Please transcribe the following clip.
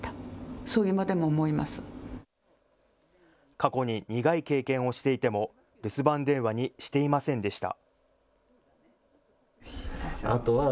過去に苦い経験をしていても留守番電話にしていませんでした。